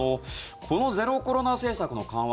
このゼロコロナ政策の緩和